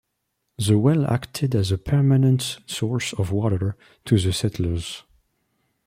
The well acted as a permanent source of water to the settlers.